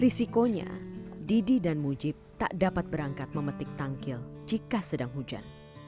risikonya didi dan mujib tak dapat berangkat memetik tangkil jika sedang hujan